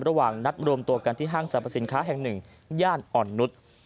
ระหว่างนัดรวมตัวกันที่ห้างสรรพสินค้าแห่งหนึ่งย่านอ่อนนุษย์